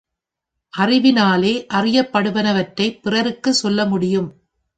அறிவினாலே அறியப்படுவனவற்றைப் பிறருக்குச் சொல்ல முடியும்.